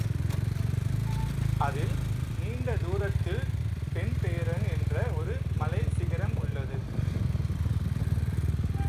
அதில் நீண்ட தூரத்தில் பெண்பெரன் என்ற ஒரு மலைச் சிகரம் உள்ளது.